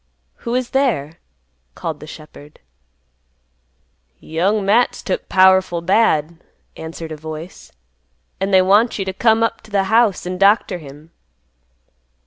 "Who is there?" called the shepherd. "Young Matt's took powerful bad," answered a voice; "an' they want you t' come up t' th' house, an' doctor him."